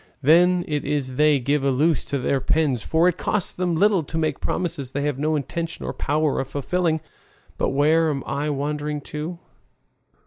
Then it is they give a loose to their pens, for it costs them little to make promises they have no intention or power of fulfilling. But where am I wandering to?